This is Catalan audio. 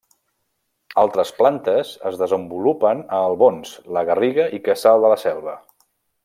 Altres plantes es desenvolupen a Albons, La Garriga i Cassà de la Selva.